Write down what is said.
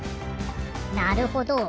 なるほど。